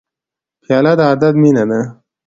پیاله د ادب مینه ده.